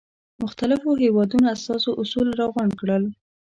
مختلفو هېوادونو استازو اصول را غونډ کړل.